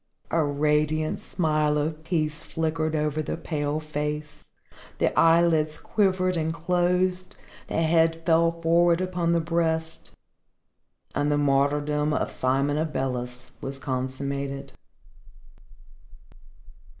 A radiant smile of peace flickered over the pale face, the eyelids quivered and closed, the head fell forward upon the breast and the martyrdom of Simon Abeles was consummated.